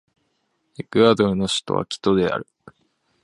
エクアドルの首都はキトである